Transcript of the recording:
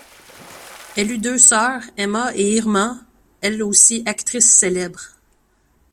Elle eut deux sœurs, Emma et Irma, elles aussi actrices célèbres.